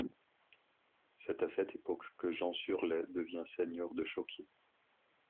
C'est à cette époque que Jean Surlet devient seigneur de Chokier.